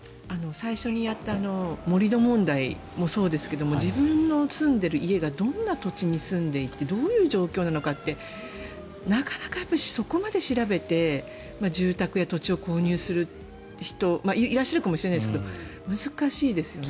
最初にやった盛り土問題もそうですけども自分の住んでいる家がどんな土地に住んでいてどういう状況なのかってなかなかそこまで調べて住宅や土地を購入する人いらっしゃるかもしれないですが難しいですよね。